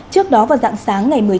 trước đó vào dạng sáng ngày một mươi chín